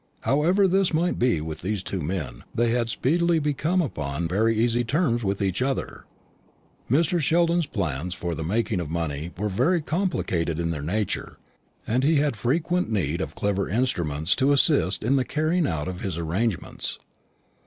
However this might be with these two men, they had speedily become upon very easy terms with each other. Mr. Sheldon's plans for the making of money were very complicated in their nature, and he had frequent need of clever instruments to assist in the carrying out of his arrangements.